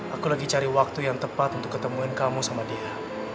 aku lagi cari waktu yang tepat untuk ketemuin kamu sama dia